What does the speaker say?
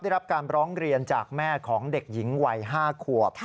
ได้รับการร้องเรียนจากแม่ของเด็กหญิงวัย๕ขวบ